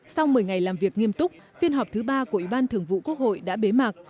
sau một mươi ngày làm việc nghiêm túc phiên họp thứ ba của ủy ban thường vụ quốc hội đã bế mạc